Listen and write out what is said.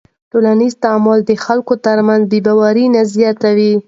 ټولنیز تعامل د خلکو تر منځ بېباوري نه زیاتوي.